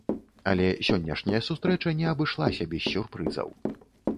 Але сённяшняя сустрэча не абышлася без сюрпрызаў.